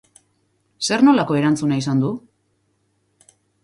Zer nolako erantzuna izan du?